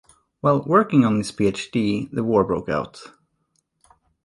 While working on his PhD the war broke out.